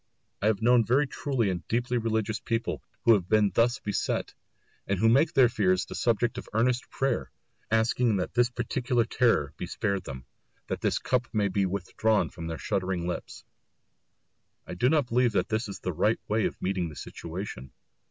I have known very truly and deeply religious people who have been thus beset, and who make their fears the subject of earnest prayer, asking that this particular terror may be spared them, that this cup may be withdrawn from their shuddering lips. I do not believe that this is the right way of meeting the situation.